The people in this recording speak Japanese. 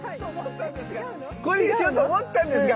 これにしようと思ったんですが